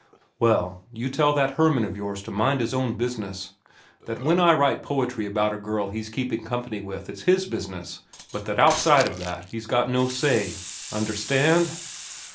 "Well, you tell that Hermann of yours to mind his own business; that when I write poetry about the girl he's keeping company with it's his business, but that outside of that he's got no say so. Understand?